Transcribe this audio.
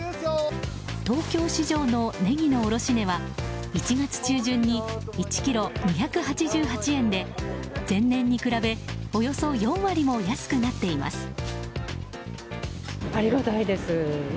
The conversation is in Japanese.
東京市場のネギの卸値は１月中旬に１ｋｇ２８８円で前年に比べ、およそ４割も安くなっています。